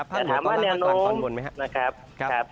แต่ถามว่าแนวโน้มนะครับ